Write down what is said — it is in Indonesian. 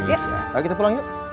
kalau gitu pulang yuk